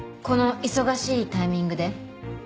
この忙しいタイミングで？